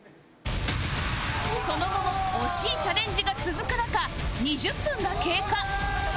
その後も惜しいチャレンジが続く中２０分が経過